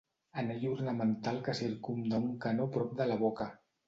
Anell ornamental que circumda un canó prop de la boca.